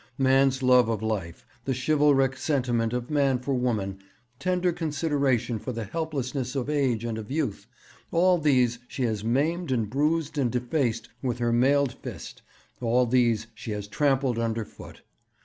Man's love of life, the chivalric sentiment of man for woman, tender consideration for the helplessness of age and of youth, all these she has maimed and bruised and defaced with her mailed fist, all these she has trampled under foot.